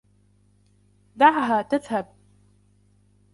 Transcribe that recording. دَعَعها تذهب.